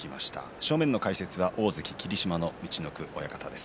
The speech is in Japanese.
正面の解説は大関霧島の陸奥親方です。